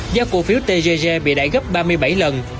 giao cổ phiếu tgg bị đải gấp ba triệu đồng